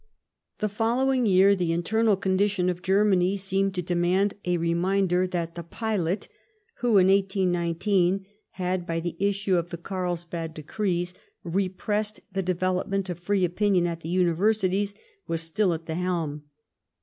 The following year the internal condition of Germany seemed to demand a reminder that the pilot who, in 1819,. had, by the issue of the Carlsbad decrees, repressed the development of free opinion at the Universities, was still at the helm.